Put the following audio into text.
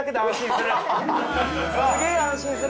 すげぇ安心する。